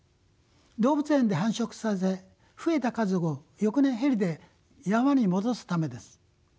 動物園で繁殖させ増えた家族を翌年ヘリで山に戻すためです。